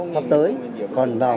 sắp tới còn vào